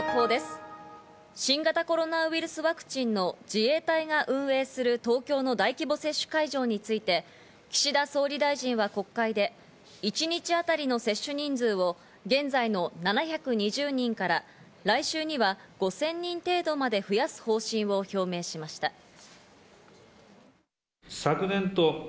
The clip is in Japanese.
新型コロナウイルスワクチンの自衛隊が運営する東京の大規模接種会場について、岸田総理大臣は国会で一日当たりの接種人数を現在の７２０人から来週には５０００人程度まで増やす方針を表明しました。